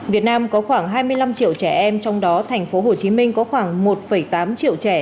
việt nam có khoảng hai mươi năm triệu trẻ em trong đó thành phố hồ chí minh có khoảng một tám triệu trẻ